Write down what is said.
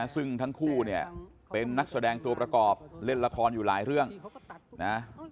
ซึ่งทั้งคู่เนี่ยเป็นนักแสดงตัวประกอบเล่นละครอยู่หลายเรื่องนะ